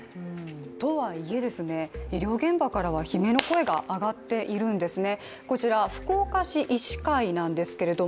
とはいえ、医療現場からは悲鳴の声が上がっているんですね。